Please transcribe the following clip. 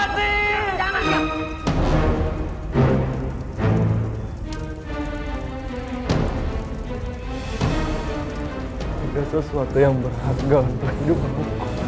tidak ada sesuatu yang berharga untuk hidup aku